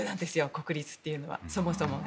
国立というのはそもそもが。